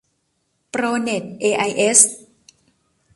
โปรเน็ตเอไอเอส